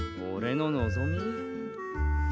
おれの望み？